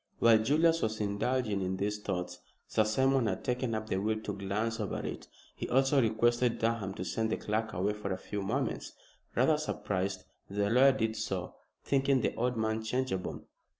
While Julius was indulging in these thoughts, Sir Simon had taken up the will to glance over it. He also requested Durham to send the clerk away for a few moments. Rather surprised, the lawyer did so, thinking the old man changeable.